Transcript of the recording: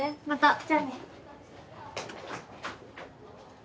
じゃあね。